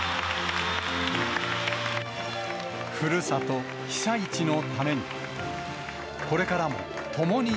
ふるさと、被災地のために。